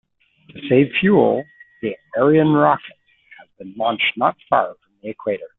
To save fuel, the Ariane rocket has been launched not far from the equator.